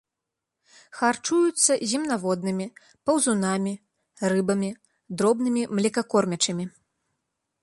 Харчуюцца земнаводнымі, паўзунамі, рыбамі, дробнымі млекакормячымі.